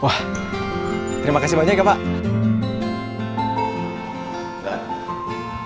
wah terima kasih banyak ya pak